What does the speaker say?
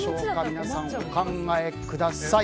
皆さん、お考えください。